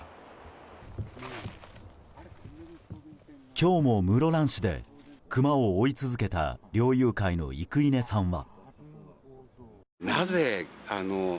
今日も室蘭市でクマを追い続けた猟友会の生稲さんは。